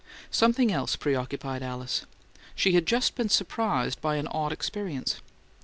Something else preoccupied Alice: she had just been surprised by an odd experience.